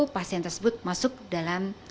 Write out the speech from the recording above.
pasien tersebut masuk dalam